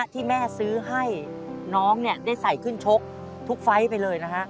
ที่แม่ซื้อให้น้องเนี่ยได้ใส่ขึ้นชกทุกไฟล์ไปเลยนะฮะ